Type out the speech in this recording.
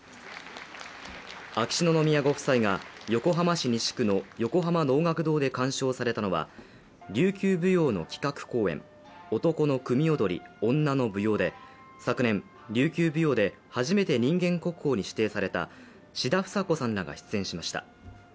秋篠宮ご夫妻が横浜市西区の横浜能楽堂で鑑賞されたのは琉球舞踊の企画公演、「男の組踊女の舞踊」で昨年、琉球舞踊で初めて人間国宝に指定された志田房子さんらが出演しました。